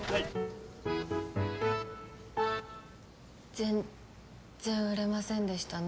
全っ然売れませんでしたね